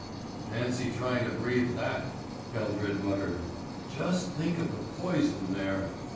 "Fancy trying to breathe that," Eldred muttered. "Just think of the poison there.